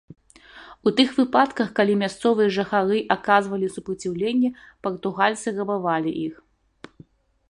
У тых выпадках, калі мясцовыя жыхары аказвалі супраціўленне, партугальцы рабавалі іх.